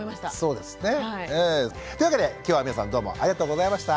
そうですね。というわけで今日は皆さんどうもありがとうございました。